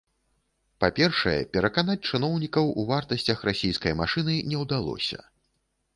Па-першае, пераканаць чыноўнікаў у вартасцях расійскай машыны не ўдалося.